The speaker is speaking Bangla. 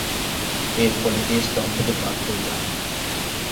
এরফলে টেস্ট দল থেকে বাদ পড়ে যান।